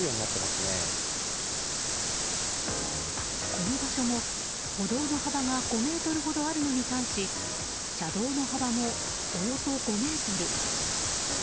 この場所も歩道の幅が５ｍほどあるのに対し車道の幅も、およそ５ｍ。